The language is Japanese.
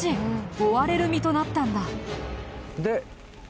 追われる身となったんだ。